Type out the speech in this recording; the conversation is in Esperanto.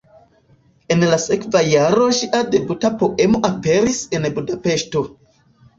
En la sekva jaro ŝia debuta poemo aperis en Budapeŝto.